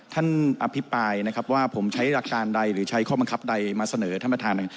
ท่านอะพิปายนะครับว่าผมใช้อยากการได้หรือใช้ข้อมันคำใดมาเสนอท่านใน